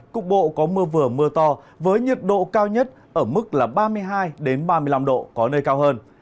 cục bộ có mưa vừa mưa to với nhiệt độ cao nhất ở mức ba mươi hai ba mươi năm độ có nơi cao hơn